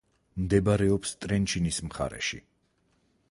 მდებარეობს ტრენჩინის მხარეში.